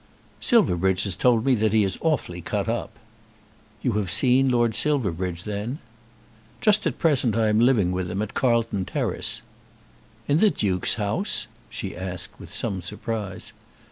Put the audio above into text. "Silverbridge has told me that he is awfully cut up." "You have seen Lord Silverbridge then?" "Just at present I am living with him, at Carlton Terrace." "In the Duke's house?" she asked, with some surprise.